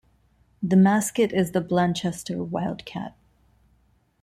The mascot is the Blanchester Wildcat.